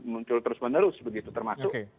muncul terus menerus begitu termasuk